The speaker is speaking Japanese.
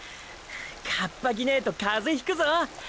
カッパ着ねーとカゼひくぞ。